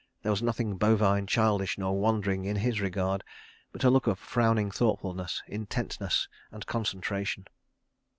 There was nothing bovine, childish nor wandering in his regard, but a look of frowning thoughtfulness, intentness and concentration.